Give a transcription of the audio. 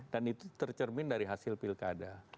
dan itu tercermin dari hasil pilkada